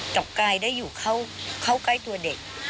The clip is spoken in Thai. กับกายได้อยู่เข้าใกล้ตัวเด็ก